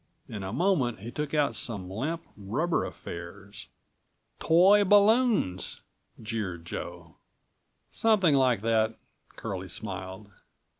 In a moment, he took out some limp, rubber affairs.222 "Toy balloons," jeered Joe. "Something like that," Curlie smiled.